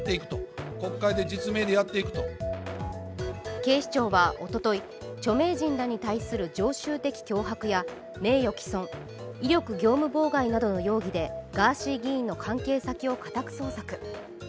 警視庁はおととい、著名人らに対する常習的脅迫や名誉毀損、威力業務妨害などの容疑でガーシー議員の関係先を家宅捜索。